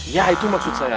ya itu maksud saya